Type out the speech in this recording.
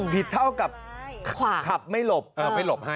ผิดเท่ากับขับไม่หลบ